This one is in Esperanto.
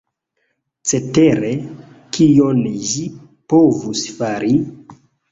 Cetere, kion ĝi povus fari?